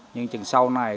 nhưng chừng sau này